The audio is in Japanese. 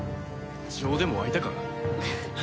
情でも湧いたか？